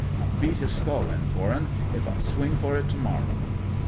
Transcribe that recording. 'I'll beat his skull in for'n, if I swing for it to morrow!